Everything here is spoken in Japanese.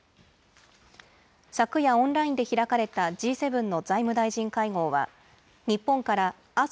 昨夜、オンラインで開かれたＧ７の財務大臣会合は、日本から麻生